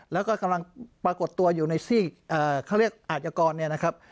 แล้วก็กำลังปรากฏตัวอยู่ในซีกเขาเรียกอาชญกรเนี่ยนะครับ